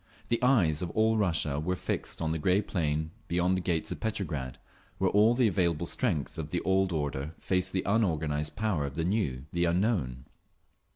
The eyes of all Russia were fixed on the grey plain beyond the gates of Petrograd, where all the available strength of the old order faced the unorganised power of the new, the unknown.